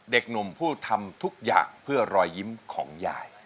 เด็กหนุ่มผู้ทำทุกอย่างเพื่อรอยยิ้มของยาย